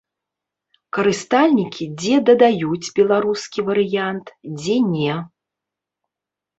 Карыстальнікі дзе дадаюць беларускі варыянт, дзе не.